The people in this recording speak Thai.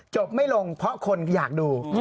ไม่ลงเพราะคนอยากดู